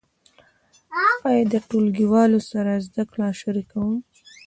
زه د ټولګیوالو سره زده کړه شریکوم.